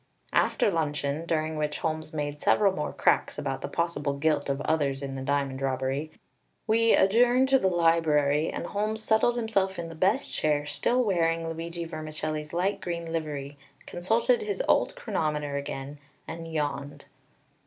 After luncheon, during which Holmes made several more cracks about the possible guilt of others in the diamond robbery, we adjourned to the library, and Holmes settled himself in the best chair, still wearing Luigi Vermicelli's light green livery, consulted his old chronometer again, and yawned.